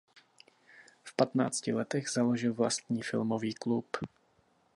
V patnácti letech založil vlastní filmový klub.